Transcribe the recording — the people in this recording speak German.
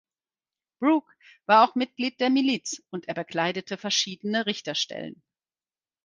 Brooke war auch Mitglied der Miliz und er bekleidete verschiedene Richter Stellen.